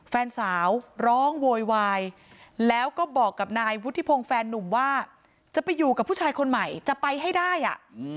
แฟนสาวร้องโวยวายแล้วก็บอกกับนายวุฒิพงศ์แฟนนุ่มว่าจะไปอยู่กับผู้ชายคนใหม่จะไปให้ได้อ่ะ